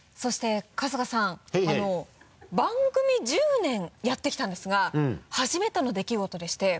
番組１０年やってきたんですが初めての出来事でして。